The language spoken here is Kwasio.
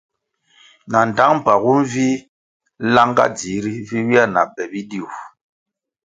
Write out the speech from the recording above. Na ndtang mpagu nvih langah dzihri vi ywia na be bidiu.